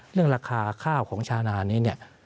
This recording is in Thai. เรื่องราคาข้าวของชาวนานี้เนี่ย